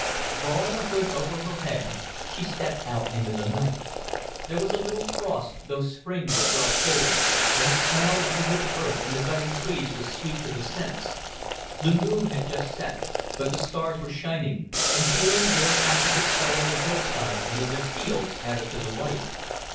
Drawing a hood over her head, she stepped out into the night. There was a little frost, though spring was well forward, and the smell of the rich earth and the budding trees was sweet to the sense. The moon had just set, but the stars were shining, and here and there patches of snow on the hillside and in the fields added to the light.